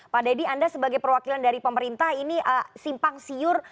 pak deddy anda sebagai perwakilan dari pemerintah ini simpang siur